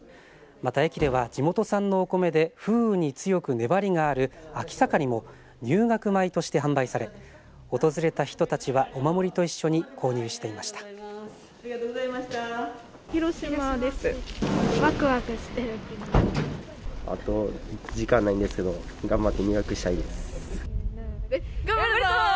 また、駅では地元産のお米で風雨に強く粘りがあるあきさかりも入学米として販売され訪れた人たちは、お守りと一緒に購入していました。